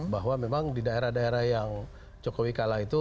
bahwa memang di daerah daerah yang jokowi kalah itu